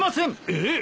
えっ？